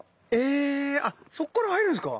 えそっから入るんすか？